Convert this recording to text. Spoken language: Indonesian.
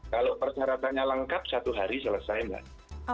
kalau persyaratannya lengkap satu hari selesai mbak